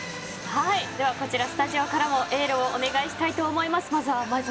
では、こちらスタジオからもエールをお願いしたいと思います。